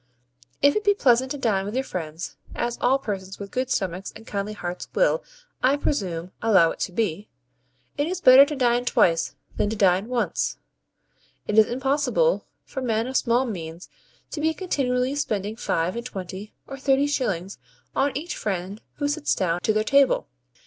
If it be pleasant to dine with your friends, as all persons with good stomachs and kindly hearts will, I presume, allow it to be, it is better to dine twice than to dine once. It is impossible for men of small means to be continually spending five and twenty or thirty shillings on each friend who sits down to their table.